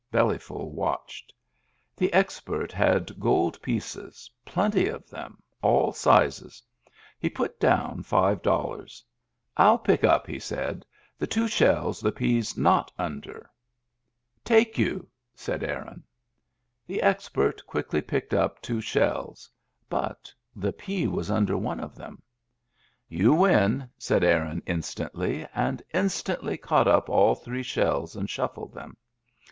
• Bellyful watched. The expert had gold pieces, plenty of them, all sizes. He put down five dollars. " I'll pick up," he said, " the two shells the pea's not under." " Take you," said Aaron. Digitized by Google 220 MEMBERS OF THE FAMILY The expert quickly picked up two shells. But the pea was under one of them. " You win," said Aaron instantly, and instantly caught up all three shells and shuffled them.